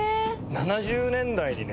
７０年代にね